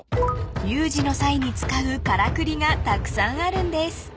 ［有事の際に使うからくりがたくさんあるんです］